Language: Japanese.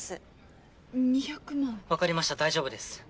分かりました大丈夫です。